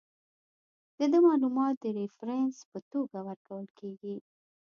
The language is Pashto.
د ده معلومات د ریفرنس په توګه ورکول کیږي.